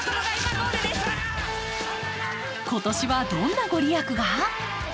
今年はどんな御利益が？